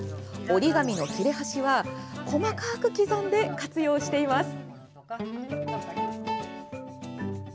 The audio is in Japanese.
折り紙の切れ端は細かく刻んで活用しています！